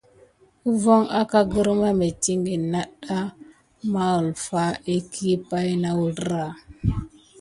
Fuŋ akà gərmà midikine nada ma gulfà iki pay na wuzlera tat.